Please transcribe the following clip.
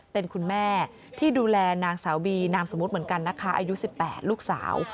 เป็นคุณแม่ที่ดูแลนางสาวบีนามสมมุติเหมือนกันนะคะอายุ๑๘ลูกสาว